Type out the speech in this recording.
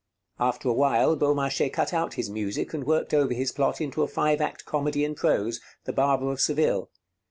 After a while Beaumarchais cut out his music and worked over his plot into a five act comedy in prose, 'The Barber of Seville.'